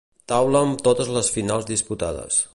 Taula amb totes les finals disputades.